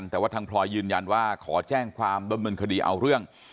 แต่ว่าทางพลอยยืนยันว่าขอแจ้งความบำเนินคดีเอาเรื่อง